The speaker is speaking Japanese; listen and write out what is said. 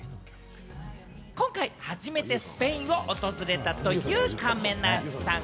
今回初めてスペインを訪れたという亀梨さん。